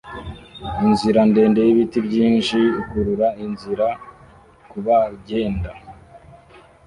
Inzira ndende y'ibiti byinshi ikurura inzira kubagenda